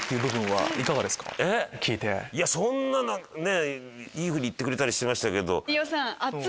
えっいいふうに言ってくれたりしてましたけど。